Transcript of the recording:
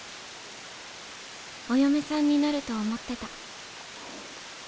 お嫁さんになると思ってた。